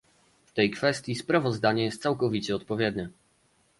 W tej kwestii sprawozdanie jest całkowicie odpowiednie